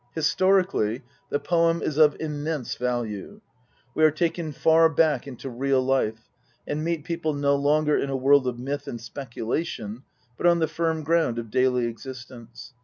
Historically, the poem is of immense value. We are taken far back into real life, and meet people no longer in a world of myth and speculation, but on the firm ground of daily existence.